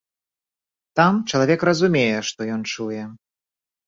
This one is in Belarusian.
Там чалавек разумее, што ён чуе.